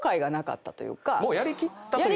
もうやり切ったという思い？